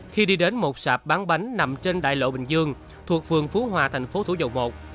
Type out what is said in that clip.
khi đi đến một sạp bán bánh nằm trên đại lộ bình dương thuộc phường phú hòa thành phố thủ dầu một